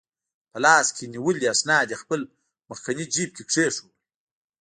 په لاس کې نیولي اسناد یې خپل مخکني جیب کې کېښوول.